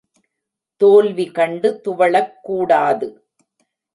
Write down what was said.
தோல்வி கண்டு துவளக் கூடாது.